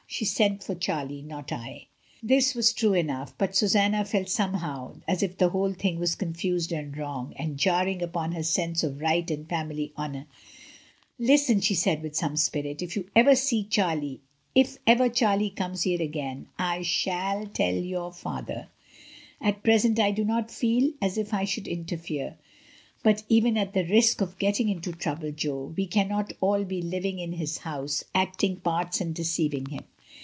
She sent for Charlie, not L" This was true enough, but Susanna felt some how as if the whole thing was confused and wrong, and jarring upon her sense of right and family honmir. "listrax, she said widi some spirit; "if ever Charlie comes here again, I shall tell your father. At present I do not feel as if I could inter fere. But even at the risk of getting into trouble, Jo, we cannot all be living in his house, acting parts and deceiving him.